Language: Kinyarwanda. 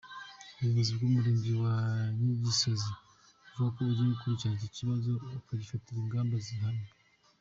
Ubuyobozi bw’umurenge wa Nyagisozi buvuga ko bugiye gukurikirana iki kibazo bukagifatira ingamba zihamye.